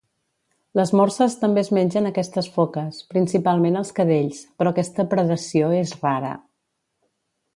Les morses també es mengen aquestes foques, principalment els cadells, però aquesta predació és rara.